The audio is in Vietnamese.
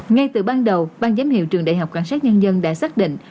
ngay từ ban đầu ban giám hiệu trường đại học cảnh sát nhân dân đã xác định